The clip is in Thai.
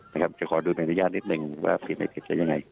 นะครับจะขอดูใบอนุญาตนิดหนึ่งว่าผิดหรือไม่ผิดแล้วยังไง